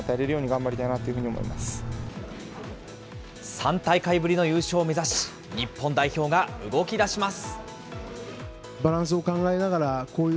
３大会ぶりの優勝を目指し、日本代表が動きだします。